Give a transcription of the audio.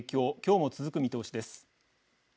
きょうも続く見通しです。